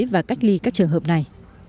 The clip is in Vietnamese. và cách ly các trường hợp này